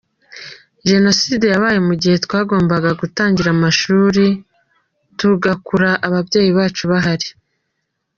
Jenoside yabaye mu gihe twagombaga gutangira amashuri, tugakura ababyeyi bacu bahari.